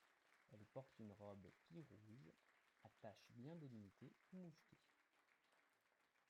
Elle porte une robe pie rouge à taches bien délimitées ou mouchetée.